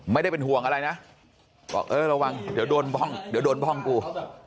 ไม่ได้เป็นห่วงอะไรนะบอกเออระวังเดี๋ยวโดนบ้องกู